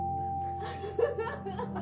ハハハハ！